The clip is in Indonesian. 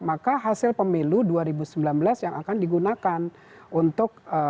maka hasil pemilu dua ribu sembilan belas yang akan digunakan untuk